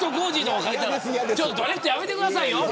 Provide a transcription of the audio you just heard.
ドリフトやめてくださいよ。